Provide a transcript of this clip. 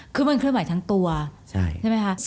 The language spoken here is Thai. คือมันเคลื่อนไหวทั้งตัวใช่ไหมคะ